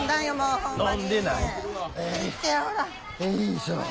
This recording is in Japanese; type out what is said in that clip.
よいしょ。